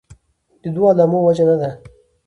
دوو عاملو وجه نه ده.